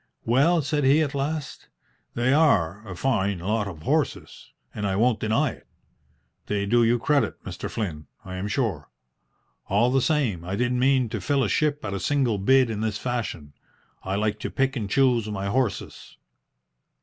"Well," said he, at last, "they are a fine lot of horses, and I won't deny it. They do you credit, Mr. Flynn, I am sure. All the same I didn't mean to fill a ship at a single bid in this fashion. I like to pick and choose my horses."